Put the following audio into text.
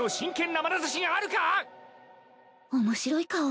面白い顔。